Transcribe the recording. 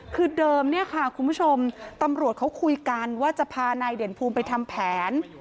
คือเดิมเนี่ยค่ะคุณผู้ชมตำรวจเขาคุยกันว่าจะพานายเด่นภูมิไปทำแผน